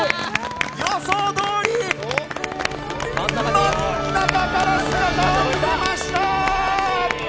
予想どおり真ん中から姿を見せました！